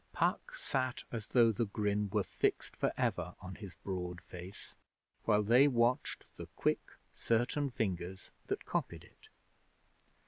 Puck sat as though the grin were fixed for ever on his broad face, while they watched the quick, certain fingers that copied it.